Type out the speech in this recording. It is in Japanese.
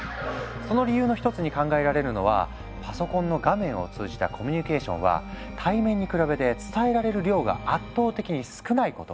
その理由の一つに考えられるのはパソコンの画面を通じたコミュニケーションは対面に比べて伝えられる量が圧倒的に少ないこと。